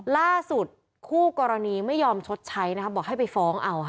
คู่กรณีไม่ยอมชดใช้นะคะบอกให้ไปฟ้องเอาค่ะ